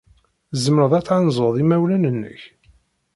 Tzemreḍ ad tɣanzuḍ imawlan-nnek?